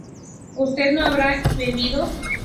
usted no habrá bebido